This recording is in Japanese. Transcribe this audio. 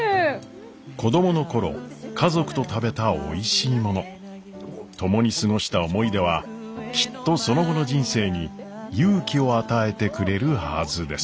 子供の頃家族と食べたおいしいもの共に過ごした思い出はきっとその後の人生に勇気を与えてくれるはずです。